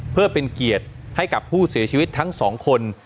เพื่อเป็นเกียรติให้กับผู้เสียชีวิตทั้งสองคน